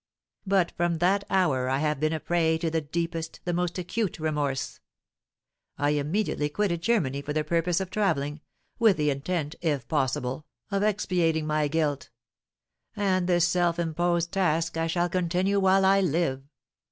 But from that hour I have been a prey to the deepest, the most acute remorse. I immediately quitted Germany for the purpose of travelling, with the intent, if possible, of expiating my guilt; and this self imposed task I shall continue while I live.